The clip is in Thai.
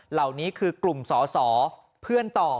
เหล่านี้คือกลุ่มสอสอเพื่อนต่อ